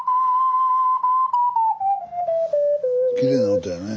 きれいな音やね。